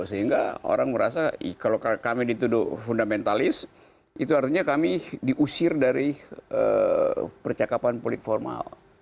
sehingga orang merasa kalau kami dituduh fundamentalis itu artinya kami diusir dari percakapan polit formal